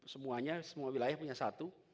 semuanya semua wilayah punya satu